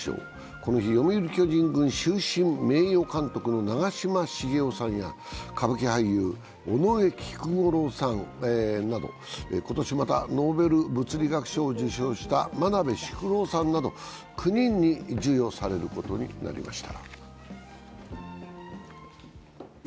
この日、読売巨人軍終身名誉監督の長嶋茂雄さんや、歌舞伎俳優、尾上菊五郎さんなど、また、今年ノーベル物理学賞を受賞した真鍋淑郎さんなど９人に授与されることになりました。